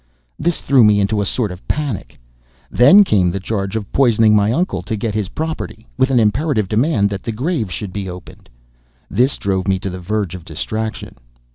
This threw me into a sort of panic. Then came the charge of poisoning my uncle to get his property, with an imperative demand that the grave should be opened. This drove me to the verge of distraction.